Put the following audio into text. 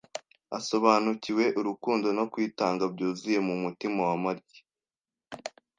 asobanukiwe urukundo no kwitanga ¬byuzuye mu mutima wa Mariya